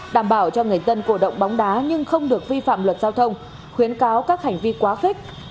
đảm bảo cho người dân cổ động bóng đá nhưng không được vi phạm luật giao thông khuyến cáo các hành vi quá khích